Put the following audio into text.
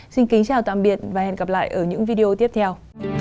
xin kính chào tạm biệt và hẹn gặp lại ở những video tiếp theo